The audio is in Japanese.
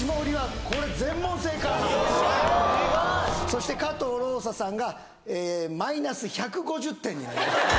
そして加藤ローサさんがマイナス１５０点になります